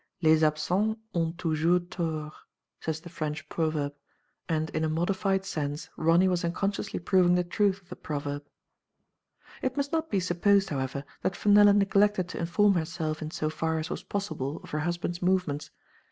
Les ab ^ sents ont toujours forty says the French proverb, and in a modified sense Ronny was unconsciously proving the truth of the proverb. It must not be supposed, however, that Fenella neglected to inform herself in so far as was possi ble of her husband's movements.